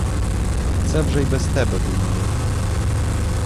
Це вже й без тебе думали.